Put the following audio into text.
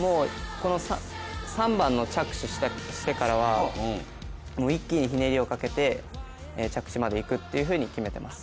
もうこの３番の着手してからは一気にひねりをかけて着地までいくって決めてます。